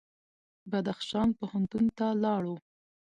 بدخشان پوهنتون ته لاړو.